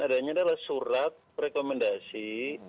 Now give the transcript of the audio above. adanya adalah surat rekomendasi